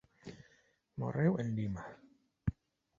Morreu en Lima.